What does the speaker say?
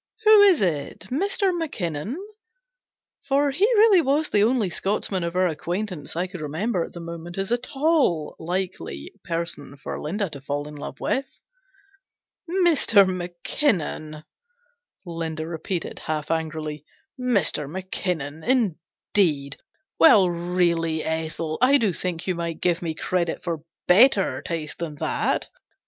" Who is it ? Mr. Mackinnon ?" For he was really the only Scotchman of our acquaintance I could remember at the moment as at all a likely person for Linda to fall in love with. " Mr. Mackinnon !" Linda repeated, half angrily. " Mr. Mackinnon indeed ! Well, 324 GENERAL PASSAVANT'S WILL. really, Ethel, I do think you might give me credit for better taste than that